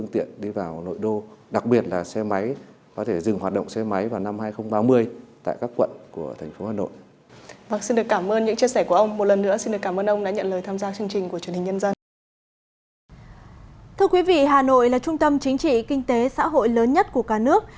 thưa quý vị hà nội là trung tâm chính trị kinh tế xã hội lớn nhất của cả nước